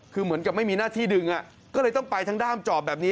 คือเหมือนกับไม่มีหน้าที่ดึงก็เลยต้องไปทั้งด้ามจอบแบบนี้